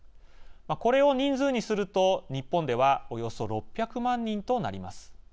これを人数にすると、日本ではおよそ６００万人となります。